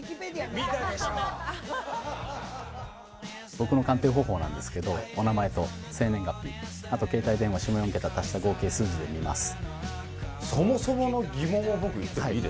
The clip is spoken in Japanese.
僕の鑑定方法なんですけどお名前と生年月日あと携帯電話下４桁足した合計数字で見ます。